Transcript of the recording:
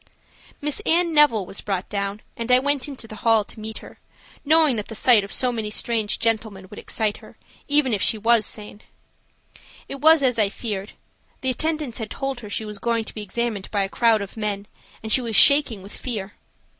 Miss Anne Neville was brought down, and I went into the hall to meet her, knowing that the sight of so many strange gentlemen would excite her, even if she be sane. It was as I feared. The attendants had told her she was going to be examined by a crowd of men, and she was shaking with fear.